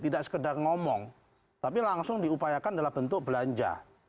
tidak sekedar ngomong tapi langsung diupayakan dalam bentuk belanja